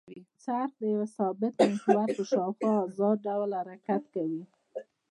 څرخ د یوه ثابت محور په شاوخوا ازاد ډول حرکت کوي.